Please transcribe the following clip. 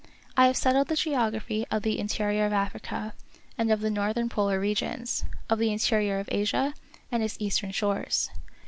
I have settled the geography of the interior of Africa, and of the northern polar regions ; of the interior of Asia, and its eastern shores.